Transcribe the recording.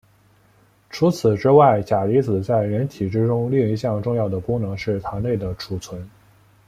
除此之外钾离子在人体之中另一项重要的功能是糖类的储存。